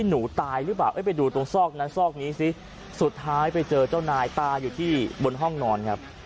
หนูตายหรือเปล่าไปดูตรงซอกนั้นซอกนี้สิสุดท้ายไปเจอเจ้านายตายอยู่ที่บนห้องนอนครับ